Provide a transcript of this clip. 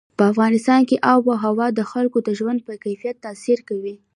په افغانستان کې آب وهوا د خلکو د ژوند په کیفیت تاثیر کوي.